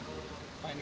karena udah dua kali